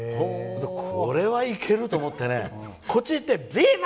これはいけると思ってこっち行ってビバ！